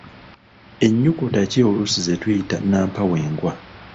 Ennyukuta ki oluusi zetuyita Nnampawengwa?